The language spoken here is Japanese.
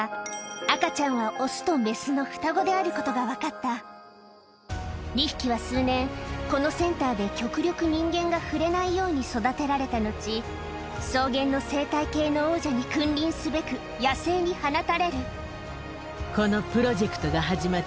赤ちゃんはであることが分かった２匹は数年このセンターで極力人間が触れないように育てられた後草原の生態系の王者に君臨すべく野生に放たれるこの。